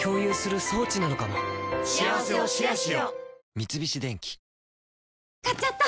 三菱電機買っちゃった！